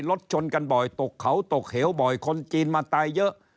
รถชนกันบ่อยตกเขาตกเหวบ่อยคนจีนมาตายเยอะ